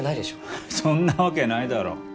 ハッそんなわけないだろう？